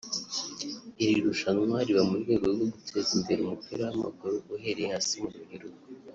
Iri rushanwa riba mu rwego rwo guteza imbere umupira w’amaguru uhereye hasi mu rubyiruko